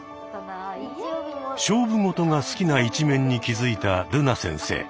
勝負事が好きな一面に気付いたるな先生。